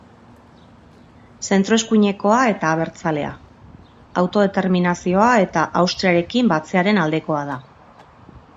Zentro-eskuinekoa eta abertzalea, autodeterminazioa eta Austriarekin batzearen aldekoa da.